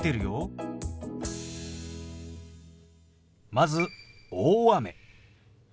まず「大雨」。